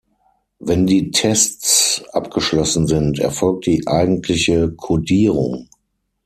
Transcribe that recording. Wenn die Tests abgeschlossen sind, erfolgt die eigentliche Codierung.